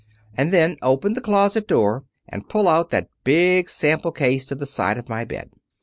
And then open the closet door and pull out that big sample case to the side of my bed.